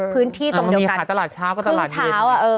พื้นที่ตรงเดียวกันมันมีขายตลาดเช้าก็ตลาดเย็นครึ่งเช้าอ่ะเออ